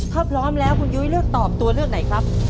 ถ้าพร้อมแล้วคุณยุ้ยเลือกตอบตัวเลือกไหนครับ